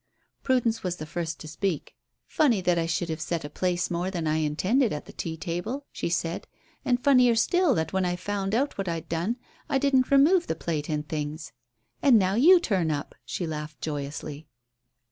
Prudence was the first to speak. "Funny that I should have set a place more than I intended at the tea table," she said, "and funnier still that when I found out what I'd done I didn't remove the plate and things. And now you turn up." She laughed joyously.